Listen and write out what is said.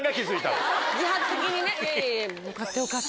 自発的にね。